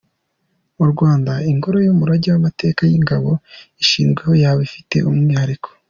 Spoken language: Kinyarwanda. Mu Rwanda ingoro y’umurage w’amateka y’ingabo ishyizweho yaba ifite umwihariko.